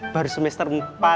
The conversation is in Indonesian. baru semester empat